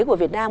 của việt nam